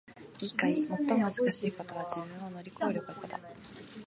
いいかい！最もむずかしいことは自分を乗り越えることだ！